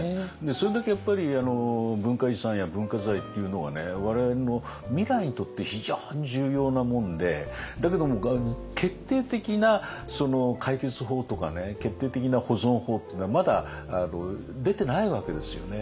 それだけやっぱり文化遺産や文化財っていうのが我々の未来にとって非常に重要なもんでだけども決定的な解決法とか決定的な保存法っていうのはまだ出てないわけですよね。